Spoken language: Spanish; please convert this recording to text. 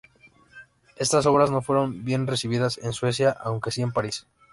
Estas obras no fueron bien recibidas en Suecia, aunque sí en París.